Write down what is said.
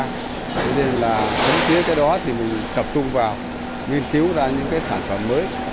cho nên là thấm thiếc cái đó thì mình tập trung vào nghiên cứu ra những sản phẩm mới